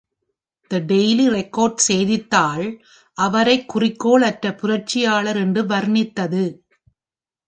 The Daily Record செய்தித்தாள் அவரைக் குறிக்கோள் அற்ற புரட்சியாளர் என்று வர்ணித்தது.